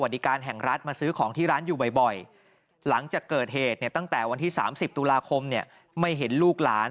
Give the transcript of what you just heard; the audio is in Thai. ที่๓๐ตุลาคมเนี่ยไม่เห็นลูกหลาน